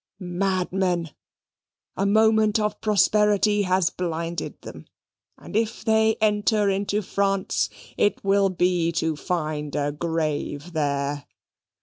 Madmen! a moment of prosperity has blinded them, and if they enter into France it will be to find a grave there!"